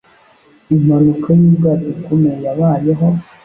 impanuka y'ubwato ikomeye yabayeho